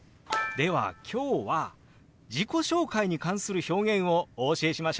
では今日は自己紹介に関する表現をお教えしましょう！